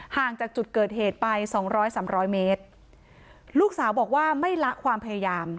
ห่างจากจุดเกิดเหตุไปสองร้อยสามร้อยเมตรลูกสาวบอกว่าไม่ละความพยายาม